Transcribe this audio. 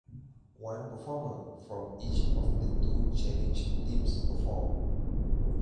One performer from each of the two challenged teams performed.